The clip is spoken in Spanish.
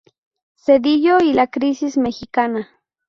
Zedillo y la crisis mexicana.